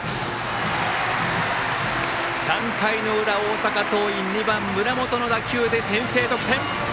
３回の裏、大阪桐蔭２番、村本の打球で先制得点。